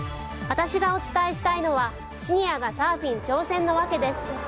私がお伝えしたいのはシニアがサーフィン挑戦の訳です。